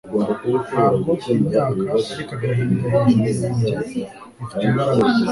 Ntabwo imyaka ariko agahinda hejuru yanjye ifite imbaraga